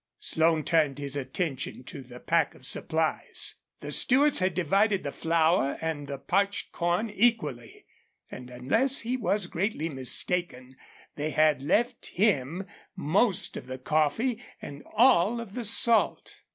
Slone turned his attention to the pack of supplies. The Stewarts had divided the flour and the parched corn equally, and unless he was greatly mistaken they had left him most of the coffee and all of the salt.